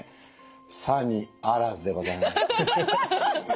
さにあらずでございまして。